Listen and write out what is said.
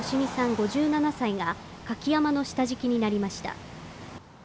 ５７歳が舁き山笠の下敷きになりました。